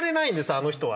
あの人は。